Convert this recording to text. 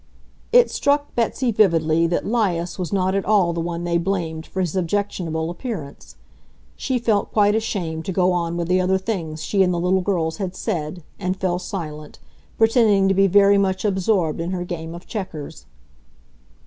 It struck Betsy vividly that 'Lias was not at all the one they blamed for his objectionable appearance. She felt quite ashamed to go on with the other things she and the little girls had said, and fell silent, pretending to be very much absorbed in her game of checkers.